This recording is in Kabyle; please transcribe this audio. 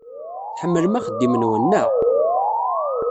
Tḥemmlem axeddim-nwen, naɣ?